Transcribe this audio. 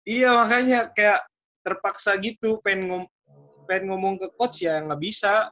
iya makanya kayak terpaksa gitu pengen ngomong ke coach ya nggak bisa